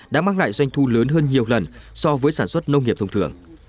đã mang lại doanh thu lớn hơn nhiều lần so với sản xuất nông nghiệp thông thường